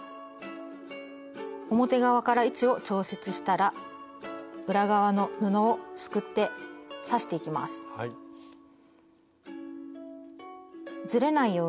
表側から位置を調節したら裏側の布をすくって刺していきます。